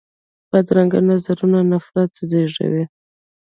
بدرنګه نظرونه نفرت زېږوي